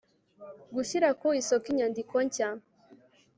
gushyira ku isoko inyandiko nshya